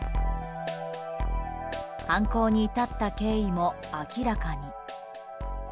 犯行に至った経緯も明らかに。